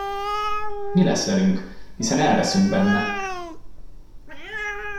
Mi lesz velünk, hiszen elveszünk benne!